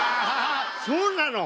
そうなの？